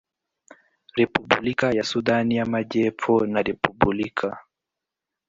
Repubulika ya Sudani y Amajyepfo na Repubulika